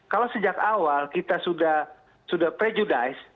kalau sejak awal kita sudah prejudise